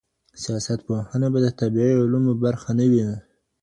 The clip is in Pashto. سياست پوهنه به د طبیعي علومو برخه نه وي.